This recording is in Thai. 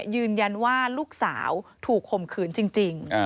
ยืนยันว่าลูกสาวถูกข่มขืนจริง